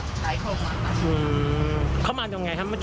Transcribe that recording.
ที่นี่มีปัญหา